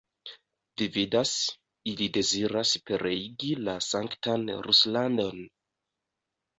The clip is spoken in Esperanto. Vi vidas, ili deziras pereigi la sanktan Ruslandon!